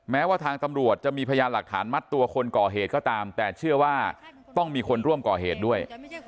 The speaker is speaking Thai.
แม้ว่าทางตำรวจจะมีพยานหลักฐานมัดตัวคนก่อเหตุก็ตามแต่เชื่อว่าต้องมีคนร่วมก่อเหตุด้วย